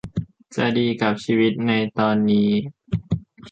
จะดีกับชีวิตในตอนนี้